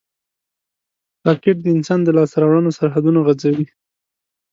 راکټ د انسان د لاسته راوړنو سرحدونه غځوي